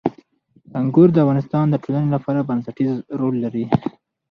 انګور د افغانستان د ټولنې لپاره بنسټيز رول لري.